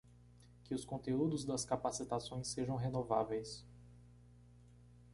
que os conteúdos das capacitações sejam renováveis